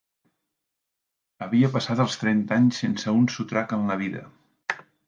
Havia passat els trenta anys sense un sotrac en la vida